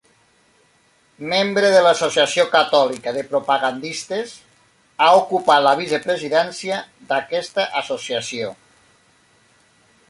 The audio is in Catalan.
Membre de l'Associació Catòlica de Propagandistes, ha ocupat la Vicepresidència d'aquesta Associació.